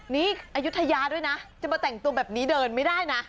นี่อายุทยาด้วยนะจะมาแต่งตัวแบบนี้เดินไม่ได้นะ